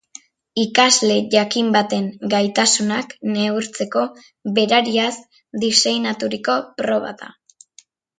Ikasle jakin baten gaitasunak neurtzeko berariaz diseinaturiko proba da.